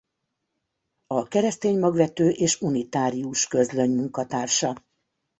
A Keresztény Magvető és Unitárius Közlöny munkatársa.